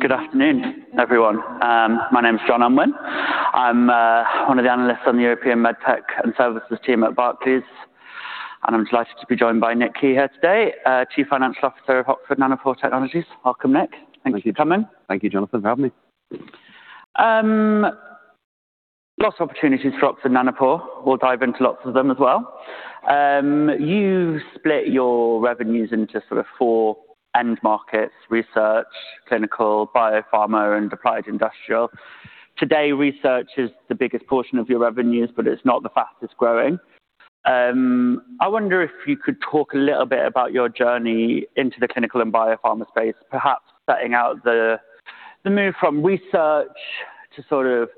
Good afternoon, everyone. My name is Jon Osgood. I'm one of the analysts on the European MedTech and Services team at Barclays, and I'm delighted to be joined by Nick Keher here today, Chief Financial Officer of Oxford Nanopore Technologies. Welcome, Nick. Thank you. Thanks for coming. Thank you, Jon Osgood, for having me. Lots of opportunities for Oxford Nanopore. We'll dive into lots of them as well. You split your revenues into sort of four end markets: research, clinical, biopharma, and applied industrial. Today, research is the biggest portion of your revenues, but it's not the fastest-growing. I wonder if you could talk a little bit about your journey into the clinical and biopharma space, perhaps setting out the move from research to sort of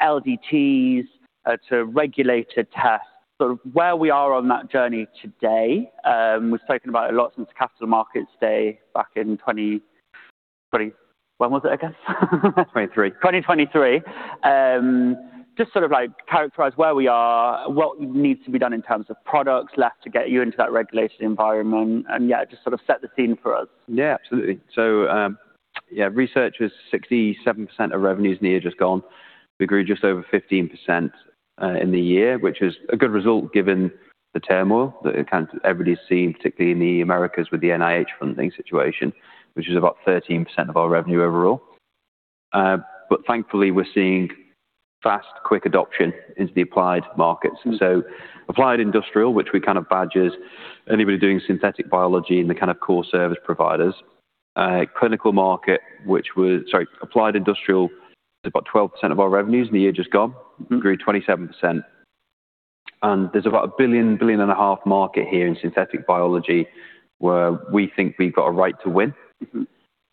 LDTs to regulated tests. Where we are on that journey today, we've spoken about it a lot since Capital Markets Day back in 20. When was it again? Twenty-three. 2023. Just sort of characterize where we are, what needs to be done in terms of products left to get you into that regulated environment, and just sort of set the scene for us. Yeah, absolutely. Yeah, research was 67% of revenues in the year just gone. We grew just over 15% in the year, which is a good result given the turmoil everybody's seen, particularly in the Americas with the NIH funding situation, which is about 13% of our revenue overall. Thankfully, we're seeing fast, quick adoption into the applied markets. Applied industrial, which we kind of badge as anybody doing synthetic biology and the kind of core service providers. Applied industrial is about 12% of our revenues in the year just gone. Grew 27%. There's about 1.5 billion market here in synthetic biology where we think we've got a right to win.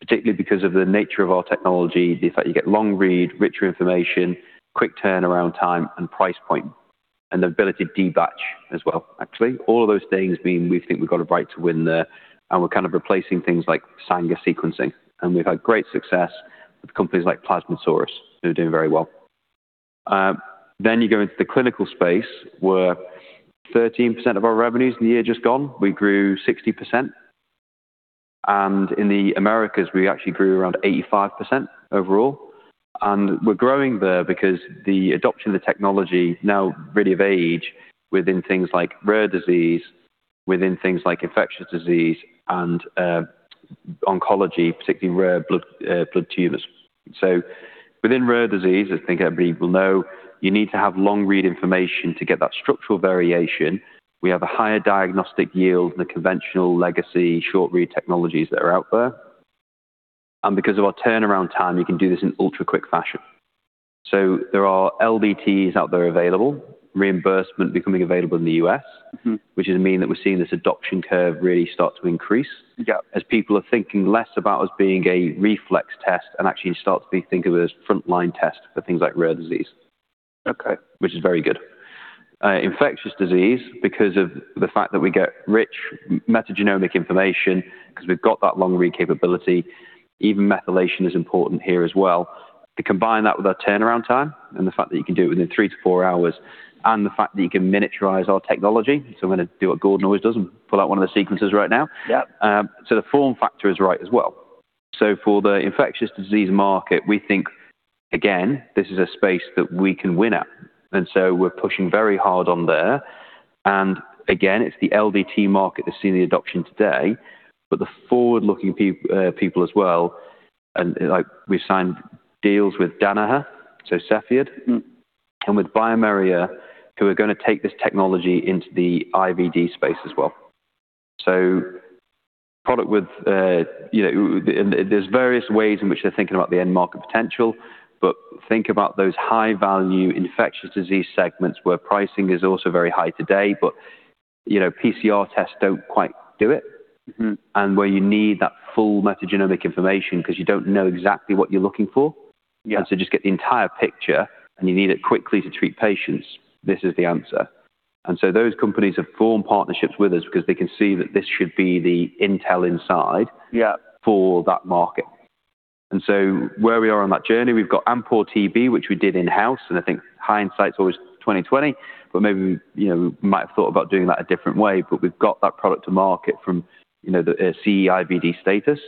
Particularly because of the nature of our technology, the fact that you get long-read, richer information, quick turnaround time, and price point, and the ability to debatch as well, actually. All of those things mean we think we've got a right to win there, and we're kind of replacing things like Sanger sequencing. We've had great success with companies like Plasmidsaurus, who are doing very well. Then you go into the clinical space, where 13% of our revenues in the year just gone, we grew 60%. In the Americas, we actually grew around 85% overall. We're growing there because the adoption of the technology now really come of age within things like rare disease, within things like infectious disease and oncology, particularly rare blood tumors. Within rare disease, I think everybody will know you need to have long-read information to get that structural variation. We have a higher diagnostic yield than conventional legacy short-read technologies that are out there. Because of our turnaround time, you can do this in ultra-quick fashion. There are LDTs out there available, reimbursement becoming available in the U.S. which means that we're seeing this adoption curve really start to increase. Yeah. As people are thinking less about us being a reflex test and actually start to think of us as frontline test for things like rare disease. Okay. Which is very good. Infectious disease, because of the fact that we get rich metagenomic information, 'cause we've got that long-read capability, even methylation is important here as well. To combine that with our turnaround time and the fact that you can do it within 3-4 hours and the fact that you can miniaturize our technology. I'm gonna do what Gordon always does and pull out one of the sequences right now. Yeah. The form factor is right as well. For the infectious disease market, we think, again, this is a space that we can win at. We're pushing very hard on there. It's the LDT market that's seeing the adoption today, but the forward-looking people as well, and like, we've signed deals with Danaher, so Cepheid. With bioMérieux, who are gonna take this technology into the IVD space as well. Product with, you know, there's various ways in which they're thinking about the end market potential. Think about those high-value infectious disease segments where pricing is also very high today, but, you know, PCR tests don't quite do it. where you need that full metagenomic information 'cause you don't know exactly what you're looking for. Yeah. Just get the entire picture, and you need it quickly to treat patients. This is the answer. Those companies have formed partnerships with us 'cause they can see that this should be the Intel Inside. Yeah for that market. Where we are on that journey, we've got AmPORE-TB, which we did in-house, and I think hindsight's always 20/20, but maybe, you know, we might have thought about doing that a different way. We've got that product to market from, you know, the CE IVD status.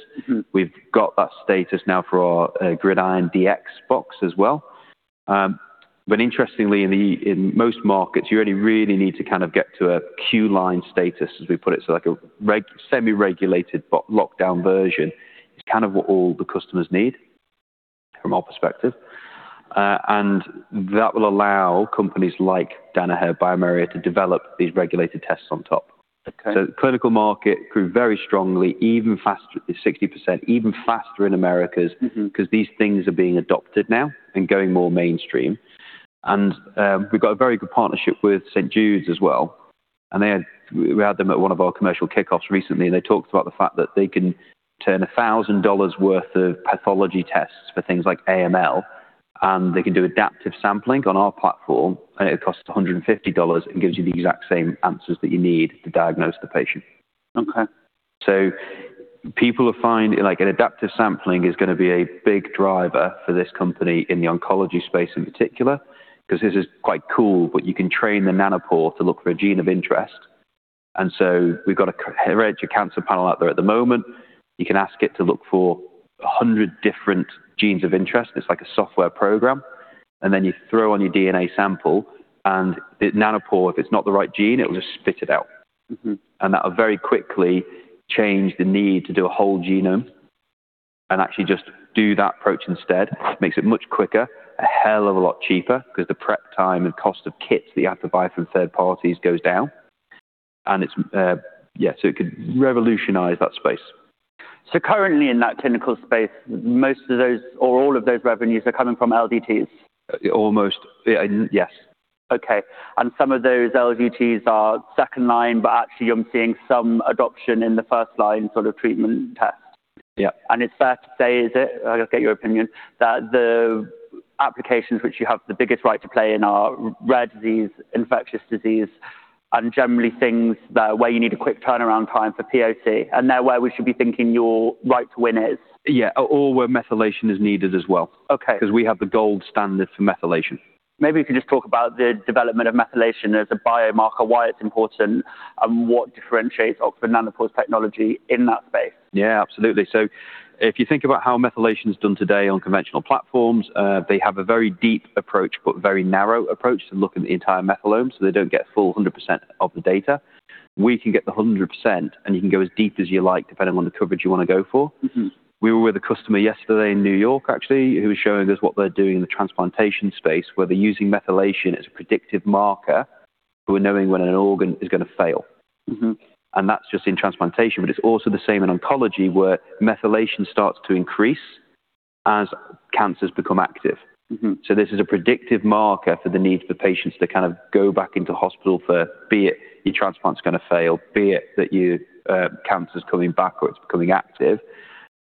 We've got that status now for our GridION Dx box as well. Interestingly, in most markets, you only really need to kind of get to a Q line status, as we put it, so like a semi-regulated but locked-down version is kind of what all the customers need from our perspective. That will allow companies like Danaher, bioMérieux to develop these regulated tests on top. Okay. The clinical market grew very strongly, even faster, 60%, even faster in Americas. 'cause these things are being adopted now and going more mainstream. We've got a very good partnership with St. Jude's as well. We had them at one of our commercial kickoffs recently, and they talked about the fact that they can turn $1,000 worth of pathology tests for things like AML, and they can do adaptive sampling on our platform, and it costs $150 and gives you the exact same answers that you need to diagnose the patient. Okay. People will find, like, an adaptive sampling is gonna be a big driver for this company in the oncology space in particular 'cause this is quite cool, but you can train the Nanopore to look for a gene of interest. We've got a Hereditary Cancer Panel out there at the moment. You can ask it to look for 100 different genes of interest. It's like a software program. Then you throw on your DNA sample, and Nanopore, if it's not the right gene, it will just spit it out. That will very quickly change the need to do a whole genome and actually just do that approach instead. Makes it much quicker, a hell of a lot cheaper because the prep time and cost of kits that you have to buy from third parties goes down. It's, yeah, so it could revolutionize that space. Currently in that clinical space, most of those or all of those revenues are coming from LDTs? Almost, yeah. Okay. Some of those LDTs are second line, but actually you're seeing some adoption in the first line sort of treatment test. Yeah. It's fair to say, is it, I'll just get your opinion, that the applications which you have the biggest right to play in are rare disease, infectious disease, and generally things that where you need a quick turnaround time for PoC, and they're where we should be thinking your right to win is? Yeah. Where methylation is needed as well. Okay. 'Cause we have the gold standard for methylation. Maybe you could just talk about the development of methylation as a biomarker, why it's important, and what differentiates Oxford Nanopore's technology in that space. Yeah, absolutely. If you think about how methylation is done today on conventional platforms, they have a very deep approach, but very narrow approach to look at the entire methylome, so they don't get full 100% of the data. We can get the 100%, and you can go as deep as you like, depending on the coverage you want to go for. We were with a customer yesterday in New York, actually, who was showing us what they're doing in the transplantation space, where they're using methylation as a predictive marker for knowing when an organ is gonna fail. That's just in transplantation. It's also the same in oncology, where methylation starts to increase as cancers become active. This is a predictive marker for the need for patients to kind of go back into hospital for, be it your transplant's gonna fail, be it that your cancer's coming back or it's becoming active.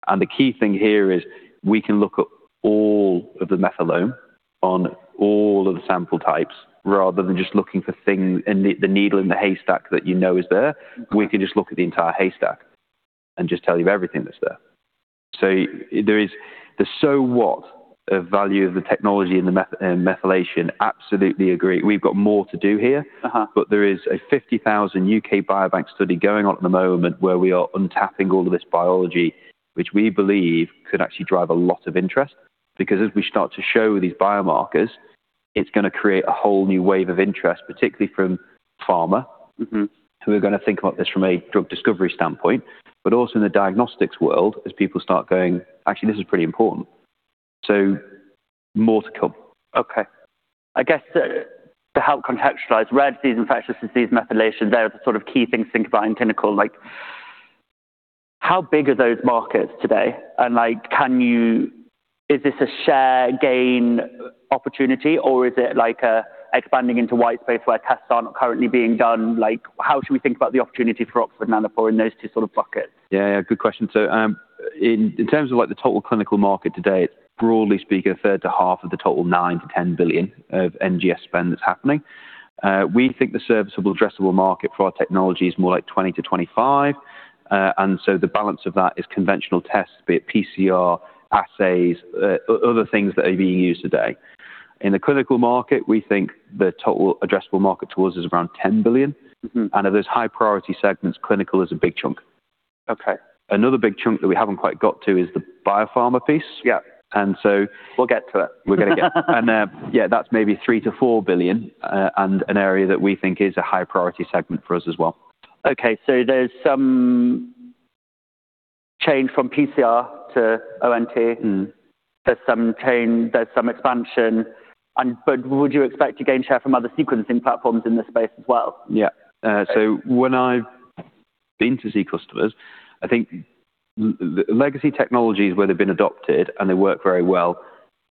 The key thing here is we can look at all of the methylome on all of the sample types. Rather than just looking for things and the needle in the haystack that you know is there, we can just look at the entire haystack and just tell you everything that's there. There is the so what of value of the technology in the methylation. Absolutely agree. We've got more to do here. There is a 50,000 UK Biobank study going on at the moment where we are unlocking all of this biology, which we believe could actually drive a lot of interest. As we start to show these biomarkers, it's gonna create a whole new wave of interest, particularly from pharma- Who are gonna think about this from a drug discovery standpoint. Also in the diagnostics world, as people start going, "Actually, this is pretty important." More to come. Okay. I guess to help contextualize rare disease, infectious disease, methylation, they're the sort of key things to think about in clinical, like. How big are those markets today? Like, is this a share gain opportunity or is it like, expanding into white space where tests aren't currently being done? Like, how should we think about the opportunity for Oxford Nanopore in those two sort of buckets? Yeah, good question. In terms of like the total clinical market today, broadly speaking, a third to half of the total 9-10 billion of NGS spend that's happening. We think the serviceable addressable market for our technology is more like 20%-25%. The balance of that is conventional tests, be it PCR, assays, other things that are being used today. In the clinical market, we think the total addressable market today is around 10 billion. Of those high priority segments, clinical is a big chunk. Okay. Another big chunk that we haven't quite got to is the biopharma piece. Yeah. And so- We'll get to it. Yeah, that's maybe 3 billion-4 billion, and an area that we think is a high priority segment for us as well. Okay. There's some change from PCR to ONT. There's some change, there's some expansion, but would you expect to gain share from other sequencing platforms in this space as well? Yeah. So when I've been to see customers, I think legacy technologies where they've been adopted and they work very well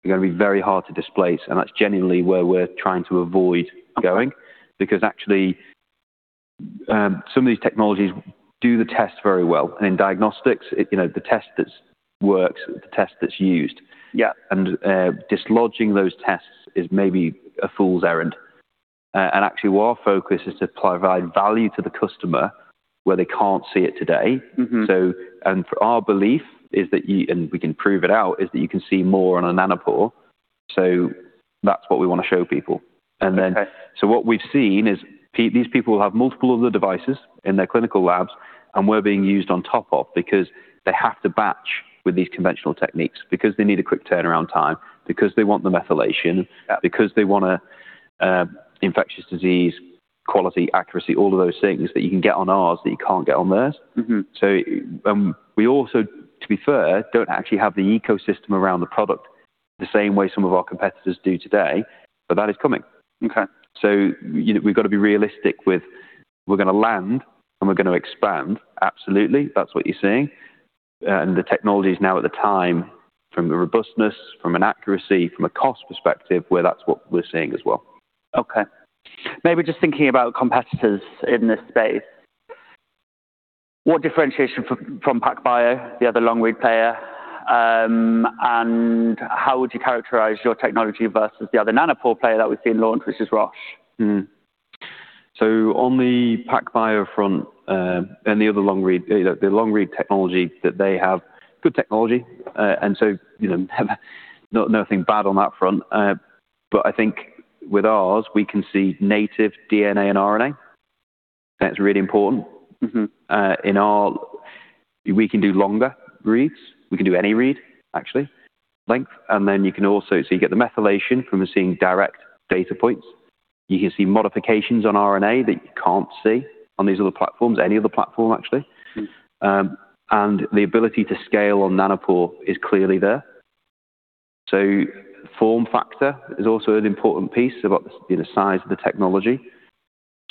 are gonna be very hard to displace, and that's genuinely where we're trying to avoid going. Because actually, some of these technologies do the test very well. In diagnostics, you know, the test that works is the test that's used. Yeah. Dislodging those tests is maybe a fool's errand. Actually our focus is to provide value to the customer where they can't see it today. Our belief is that you can see more on a Nanopore, and we can prove it out, so that's what we wanna show people. Okay. What we've seen is these people have multiple other devices in their clinical labs, and we're being used on top of because they have to batch with these conventional techniques because they need a quick turnaround time, because they want the methylation. Yeah Because they want an infectious disease, quality, accuracy, all of those things that you can get on ours that you can't get on theirs. Mm-hmm. We also, to be fair, don't actually have the ecosystem around the product the same way some of our competitors do today, but that is coming. Okay. We've got to be realistic with where we're gonna land and we're gonna expand. Absolutely. That's what you're seeing. The technology is now at the point from a robustness, from an accuracy, from a cost perspective where that's what we're seeing as well. Okay. Maybe just thinking about competitors in this space. What differentiation from PacBio, the other long-read player, and how would you characterize your technology versus the other Nanopore player that we've seen launch, which is Roche? On the PacBio front, and the other long-read technology that they have, good technology. You know nothing bad on that front. But I think with ours, we can see native DNA and RNA. That's really important. We can do longer reads. We can do any read, actually, length. You get the methylation from seeing direct data points. You can see modifications on RNA that you can't see on these other platforms, any other platform, actually. The ability to scale on Nanopore is clearly there. Form factor is also an important piece about, you know, size of the technology.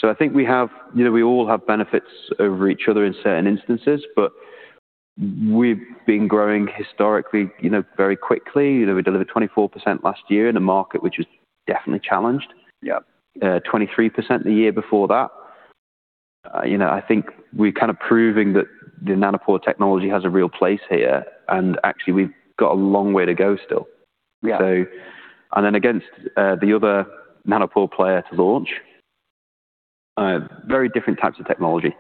I think we have, you know, we all have benefits over each other in certain instances, but we've been growing historically, you know, very quickly. You know, we delivered 24% last year in a market which is definitely challenged. Yeah. 23% the year before that. You know, I think we're kind of proving that the Nanopore technology has a real place here, and actually we've got a long way to go still. Yeah. Against the other Nanopore player to launch very different types of technology.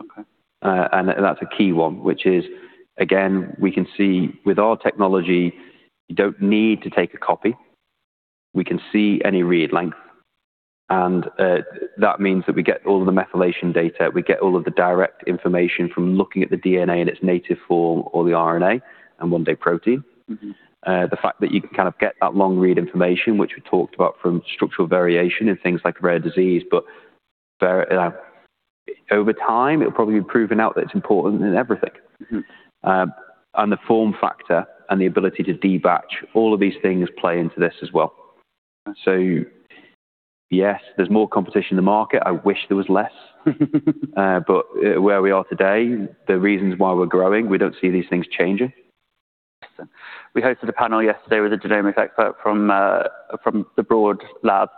Okay. That's a key one, which is, again, we can see with our technology, you don't need to take a copy. We can see any read length. That means that we get all of the methylation data, we get all of the direct information from looking at the DNA in its native form or the RNA and one day protein. The fact that you can kind of get that long read information, which we talked about from structural variation in things like rare disease, but over time, it'll probably be proven out that it's important in everything. The form factor and the ability to debatch all of these things play into this as well. Okay. Yes, there's more competition in the market. I wish there was less. Where we are today, the reasons why we're growing, we don't see these things changing. We hosted a panel yesterday with a genomic expert from the Broad Institute,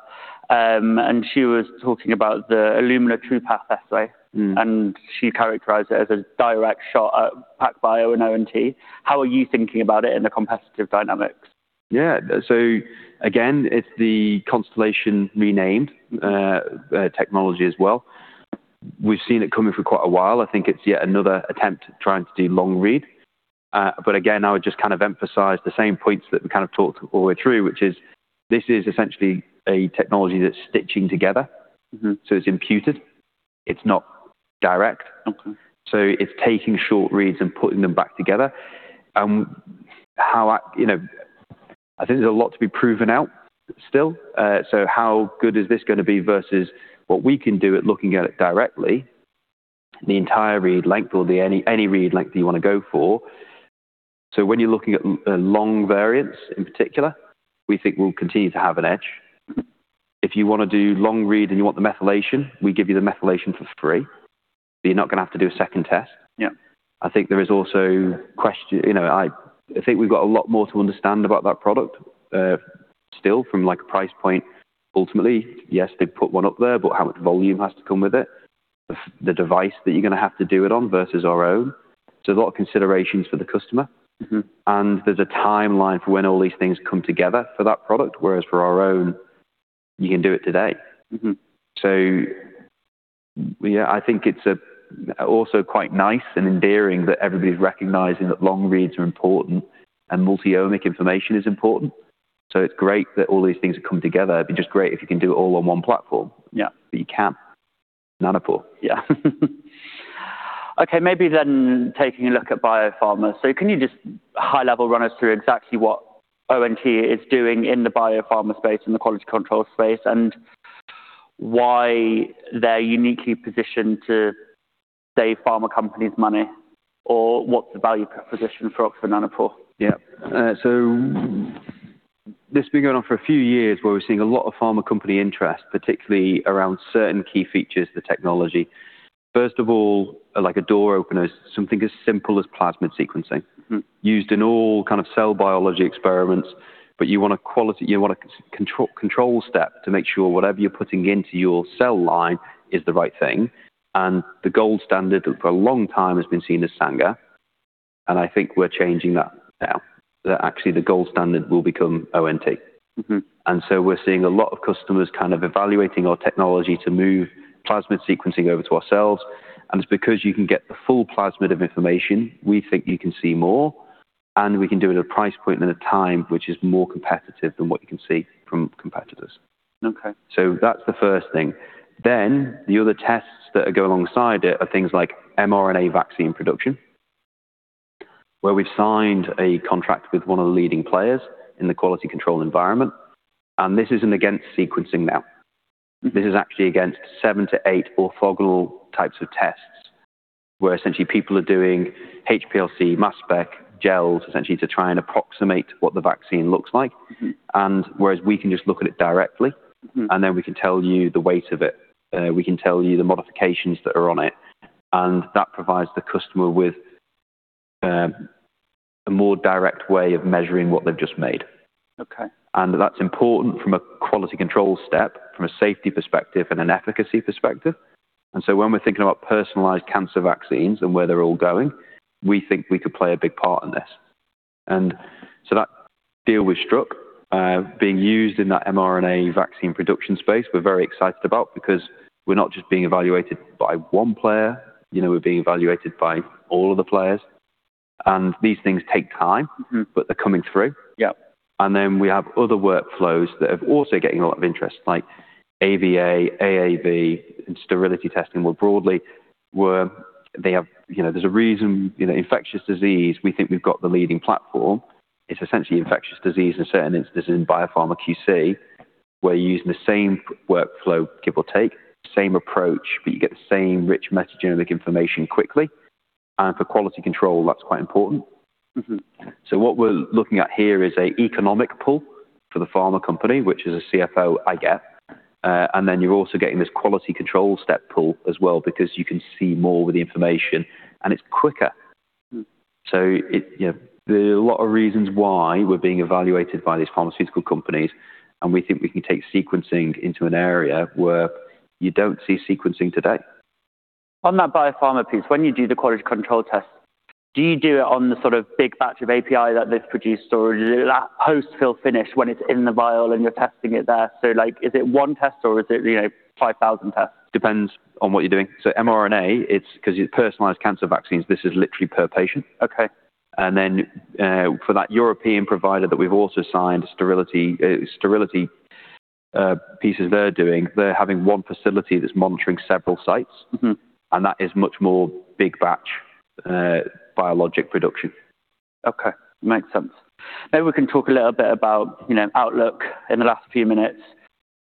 and she was talking about the Illumina TruSight assay. She characterized it as a direct shot at PacBio and ONT. How are you thinking about it in the competitive dynamics? Yeah. Again, it's the Constellation renamed technology as well. We've seen it coming for quite a while. I think it's yet another attempt trying to do long read. Again, I would just kind of emphasize the same points that we kind of talked all the way through, which is this is essentially a technology that's stitching together. It's imputed, it's not direct. Okay. It's taking short reads and putting them back together. How, you know, I think there's a lot to be proven out still. How good is this gonna be versus what we can do at looking at it directly, the entire read length or any read length that you wanna go for. When you're looking at long variants in particular, we think we'll continue to have an edge. If you wanna do long read and you want the methylation, we give you the methylation for free. You're not gonna have to do a second test. Yeah. I think there is also, you know, I think we've got a lot more to understand about that product, still from like a price point. Ultimately, yes, they put one up there, but how much volume has to come with it? The device that you're gonna have to do it on versus our own. There's a lot of considerations for the customer. There's a timeline for when all these things come together for that product, whereas for our own, you can do it today. Yeah, I think it's also quite nice and endearing that everybody's recognizing that long reads are important and multi-omics information is important. It's great that all these things have come together. It'd be just great if you can do it all on one platform. Yeah. You can't. Nanopore. Yeah. Okay. Maybe taking a look at biopharma. Can you just high level run us through exactly what ONT is doing in the biopharma space and the quality control space, and why they're uniquely positioned to save pharma companies money, or what's the value proposition for Oxford Nanopore? This has been going on for a few years, where we're seeing a lot of pharma company interest, particularly around certain key features of the technology. First of all, like a door opener, something as simple as plasmid sequencing. Used in all kind of cell biology experiments, but you want a quality, you want a control step to make sure whatever you're putting into your cell line is the right thing. The gold standard for a long time has been seen as Sanger, and I think we're changing that now. That actually the gold standard will become ONT. We're seeing a lot of customers kind of evaluating our technology to move plasmid sequencing over to ourselves. It's because you can get the full plasmid of information, we think you can see more, and we can do it at a price point and a time which is more competitive than what you can see from competitors. Okay. That's the first thing. The other tests that go alongside it are things like mRNA vaccine production, where we've signed a contract with one of the leading players in the quality control environment, and this isn't against sequencing now. This is actually against 7-8 orthogonal types of tests, where essentially people are doing HPLC, mass spectrometry, gels, essentially to try and approximate what the vaccine looks like. Mm-hmm. Whereas we can just look at it directly. Mm-hmm. We can tell you the weight of it. We can tell you the modifications that are on it. That provides the customer with a more direct way of measuring what they've just made. Okay. That's important from a quality control step, from a safety perspective and an efficacy perspective. When we're thinking about personalized cancer vaccines and where they're all going, we think we could play a big part in this. That deal was struck. Being used in that mRNA vaccine production space we're very excited about because we're not just being evaluated by one player, you know, we're being evaluated by all of the players. These things take time. They're coming through. Yeah. We have other workflows that are also getting a lot of interest like AAV and sterility testing more broadly, where they have. You know, there's a reason, you know, infectious disease, we think we've got the leading platform. It's essentially infectious disease in certain instances in biopharma QC, where you're using the same workflow, give or take, same approach, but you get the same rich metagenomic information quickly. For quality control, that's quite important. What we're looking at here is an economic pull for the pharma company, which as a CFO I get. Then you're also getting this quality control step pull as well because you can see more with the information, and it's quicker. You know, there are a lot of reasons why we're being evaluated by these pharmaceutical companies, and we think we can take sequencing into an area where you don't see sequencing today. On that biopharma piece, when you do the quality control test, do you do it on the sort of big batch of API that they've produced or do that post fill finish when it's in the vial and you're testing it there? Like, is it one test or is it, you know, 5,000 tests? Depends on what you're doing. mRNA, it's 'cause it's personalized cancer vaccines, this is literally per patient. Okay. For that European provider that we've also signed sterility pieces they're doing, they're having one facility that's monitoring several sites. That is much more big batch biologic production. Okay. Makes sense. Maybe we can talk a little bit about, you know, outlook in the last few minutes.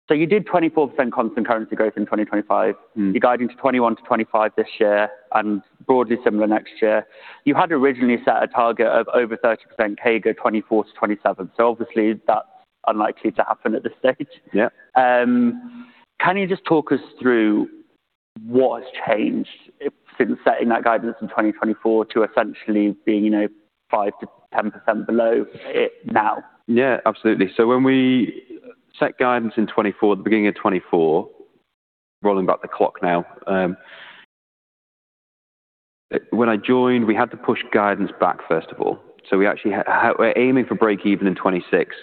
You did 24% constant currency growth in 2025. You're guiding to 21-25 this year and broadly similar next year. You had originally set a target of over 30% CAGR 2024-2027. Obviously that's unlikely to happen at this stage. Yeah. Can you just talk us through what has changed since setting that guidance in 2024 to essentially being, you know, 5%-10% below it now? Yeah, absolutely. When we set guidance in 2024, the beginning of 2024, rolling back the clock now, when I joined, we had to push guidance back first of all. We actually were aiming for break even in 2026.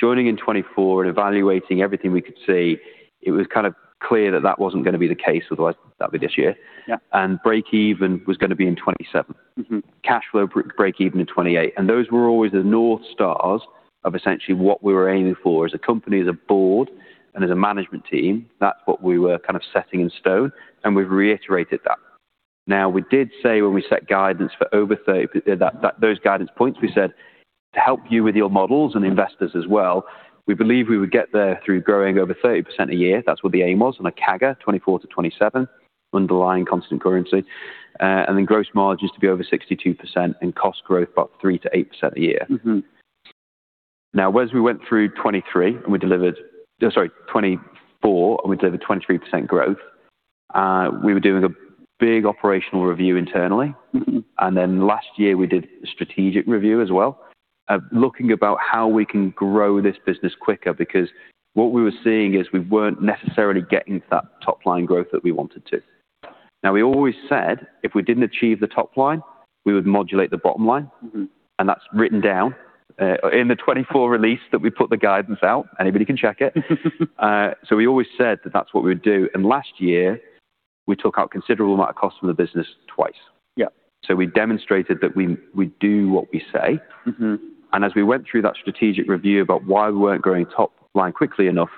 Joining in 2024 and evaluating everything we could see, it was kind of clear that that wasn't gonna be the case, otherwise that'd be this year. Yeah. Break even was gonna be in 2027. Mm-hmm. Cash flow break even in 2028. Those were always the north stars of essentially what we were aiming for as a company, as a board, and as a management team. That's what we were kind of setting in stone, and we've reiterated that. Now, we did say when we set those guidance points, we said, "To help you with your models and investors as well, we believe we would get there through growing over 30% a year." That's what the aim was on a CAGR, 2024-2027, underlying constant currency. Then gross margin is to be over 62% and cost growth about 3%-8% a year. Now, as we went through 24 and we delivered 23% growth, we were doing a big operational review internally. last year we did a strategic review as well of looking about how we can grow this business quicker because what we were seeing is we weren't necessarily getting to that top-line growth that we wanted to. Now, we always said if we didn't achieve the top line, we would modulate the bottom line. That's written down in the 2024 release that we put the guidance out. Anybody can check it. We always said that that's what we would do. Last year we took out a considerable amount of cost from the business twice. Yeah. We demonstrated that we do what we say. As we went through that strategic review about why we weren't growing top line quickly enough,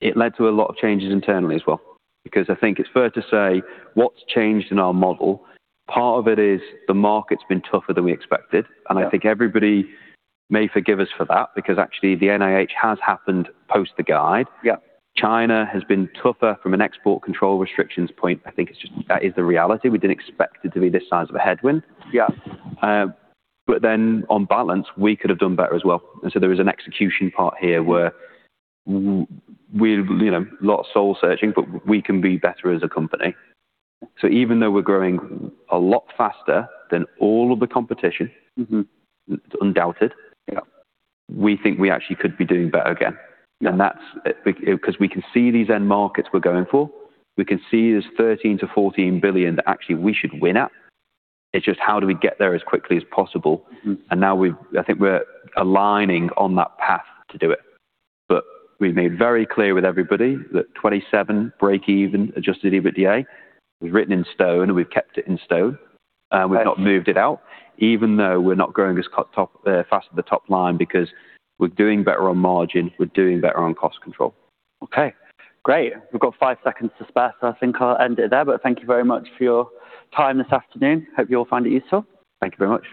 it led to a lot of changes internally as well because I think it's fair to say what's changed in our model, part of it is the market's been tougher than we expected. Yeah. I think everybody may forgive us for that because actually the NIH has happened post the guide. Yeah. China has been tougher from an export control restrictions point. I think it's just that is the reality. We didn't expect it to be this size of a headwind. Yeah. On balance, we could have done better as well. There is an execution part here where we you know, lot of soul searching, but we can be better as a company. Even though we're growing a lot faster than all of the competition. Undoubted. Yeah. We think we actually could be doing better again. Yeah. That's because we can see these end markets we're going for. We can see there's 13-14 billion that actually we should win at. It's just how do we get there as quickly as possible? Now I think we're aligning on that path to do it. We've made very clear with everybody that 2027 breakeven Adjusted EBITDA was written in stone, and we've kept it in stone. We've not moved it out even though we're not growing as fast at the top line because we're doing better on margin. We're doing better on cost control. Okay. Great. We've got five seconds to spare, so I think I'll end it there. Thank you very much for your time this afternoon. Hope you all find it useful. Thank you very much.